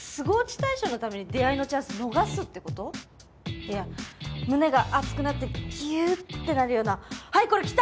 いや胸が熱くなってギュッてなるような「はいこれきた！」